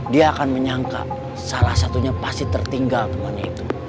dia akan menyangka salah satunya pasti tertinggal temannya itu